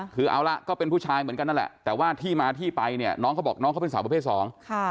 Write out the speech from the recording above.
คือเอาละก็เป็นผู้ชายเหมือนกันนั่นแหละแต่ว่าที่มาที่ไปเนี่ยน้องเขาบอกน้องเขาเป็นสาวประเภทสองค่ะ